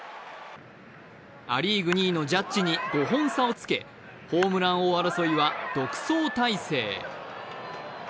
ア・リーグ２位のジャッジに５本差をつけホームラン争いは独走態勢。